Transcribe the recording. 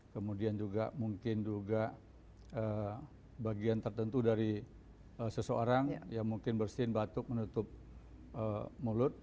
kemudian juga mungkin juga bagian tertentu dari seseorang yang mungkin bersin batuk menutup mulut